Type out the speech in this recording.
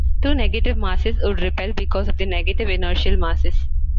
Two negative masses would repel because of their negative inertial masses.